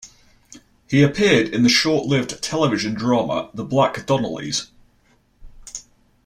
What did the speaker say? He appeared in the short-lived television drama "The Black Donnellys".